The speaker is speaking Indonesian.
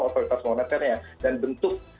otoritas monetarnya dan bentuk